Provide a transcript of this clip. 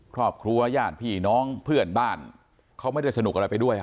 ครอบครัวญาติพี่น้องเพื่อนบ้านเขาไม่ได้สนุกอะไรไปด้วย